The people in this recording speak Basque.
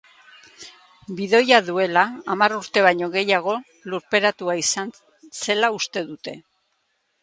Bidoia duela hamar urte baino gehiago lurperatua izan zela uste dute.